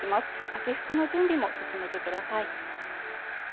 秋服の準備も進めてください